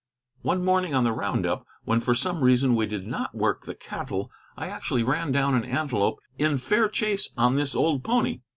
One morning on the round up, when for some reason we did not work the cattle, I actually ran down an antelope in fair chase on this old pony.